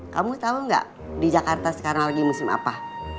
kamu tau gak di jakarta sekarang lagi musim apa